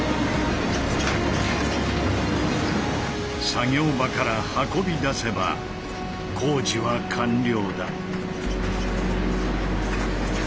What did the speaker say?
作業場から運び出せば工事は完了だ。